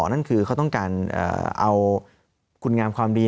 นั่นคือเขาต้องการเอาคุณงามความดี